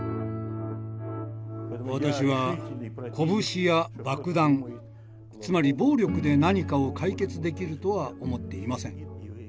私は拳や爆弾つまり暴力で何かを解決できるとは思っていません。